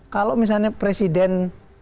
kalau misalnya presiden